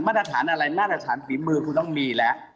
ตรฐานอะไรมาตรฐานฝีมือคุณต้องมีแล้ว